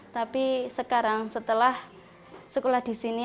tapi sekarang setelah sekolah di sini